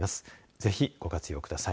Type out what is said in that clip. ぜひご活用ください。